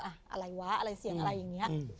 อะไรวะอะไรเสียงอะไรอย่างนี้